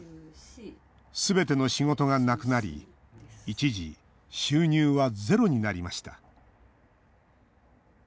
すべての仕事がなくなり一時、収入はゼロになりました。